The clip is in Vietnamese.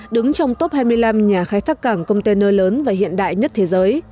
đứng trong top hai mươi năm nhà khai thác cảng container lớn và hiện đại nhất thế giới